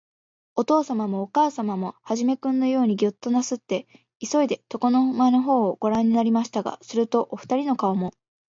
おとうさまもおかあさまも、始君のようすにギョッとなすって、いそいで、床の間のほうをごらんになりましたが、すると、おふたりの顔も、